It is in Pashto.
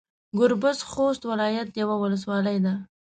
ګوربز د خوست ولايت يوه ولسوالي ده.